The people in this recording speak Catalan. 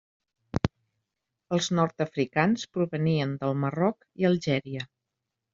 Els nord-africans provenien del Marroc i Algèria.